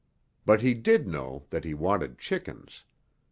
But he did know that he wanted chickens.